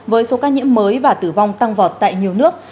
với số ca nhiễm mới và tử vong tăng vọt tại nhiều nước